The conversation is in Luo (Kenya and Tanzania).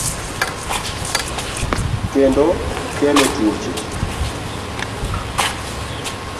kendo kelo tuoche.